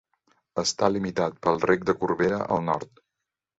Està limitat pel Rec de Corbera al nord.